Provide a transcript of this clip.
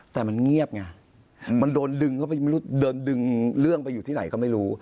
แต่มันเงียบไงมันโดนดึงเรื่องไปอยู่ที่ไหนก็ไม่รู้